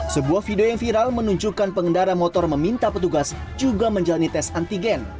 sebuah video yang viral menunjukkan pengendara motor meminta petugas juga menjalani tes antigen